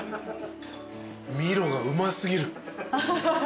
ミロがうま過ぎる。